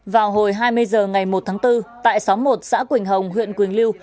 vào hồi hai mươi h ngày một tháng bốn tại xóm một xã quỳnh hồng huyện quỳnh lưu